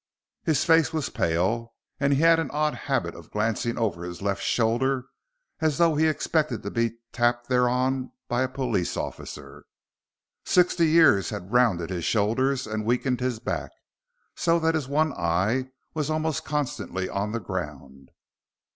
His face was pale, and he had an odd habit of glancing over his left shoulder, as though he expected to be tapped thereon by a police officer. Sixty years had rounded his shoulders and weakened his back, so that his one eye was almost constantly on the ground.